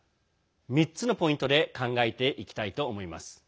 ３つのポイントで考えていきたいと思います。